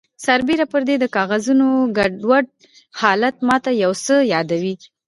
سربیره پردې د کاغذونو ګډوډ حالت ماته یو څه یادوي